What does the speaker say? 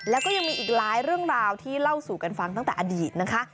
แล้วก็ยังมีอีกหลายเรื่องราวที่เล่าสู่กันฟังตั้งแต่อดีตนะคะ